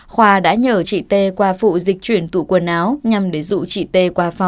khoa đã nhờ chị tê qua phụ dịch chuyển tụ quần áo nhằm để dụ chị tê